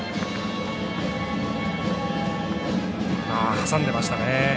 挟んでましたね。